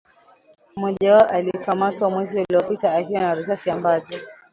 mmoja wao alikamatwa mwezi uliopita akiwa na risasi ambazo